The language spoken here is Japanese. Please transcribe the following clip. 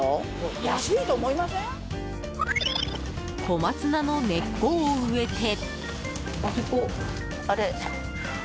小松菜の根っこを植えて。